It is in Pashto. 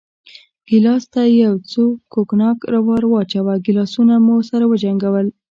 ګیلاس ته یو څه کوګناک ور واچوه، ګیلاسونه مو سره وجنګول.